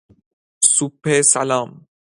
سوپ سلام